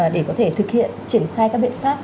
để có thể thực hiện triển khai các biện pháp